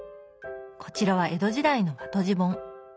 こちらは江戸時代の和綴じ本。